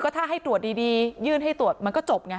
ถ้าให้ตรวจดียื่นให้ตรวจมันก็จบไง